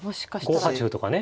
５八歩とかね。